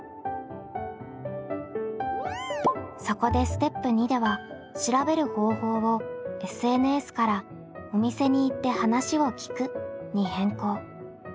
そこでステップ２では調べる方法を「ＳＮＳ」から「お店に行って話を聞く」に変更。